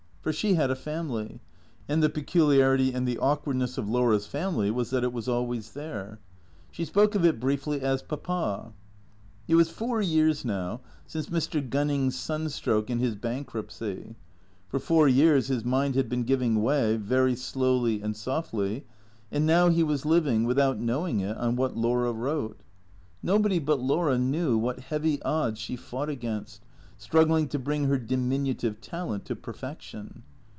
For she had a family, and the pe culiarity and the awkwardness of Laura's family was that it was always there. She spoke of it briefly as Papa. It was four years now since Mr. Gunning's sunstroke and his bankruptcy; for four years his mind had been giving way, very slowly and softly, and now he was living, without knowing it, on what Laura wrote. Nobody but Laura knew what heavy odds she fought against, struggling to bring her diminutive talent to perfection.